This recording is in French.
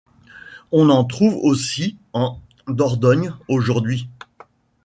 On en trouve aussi en Dordogne aujourd'hui.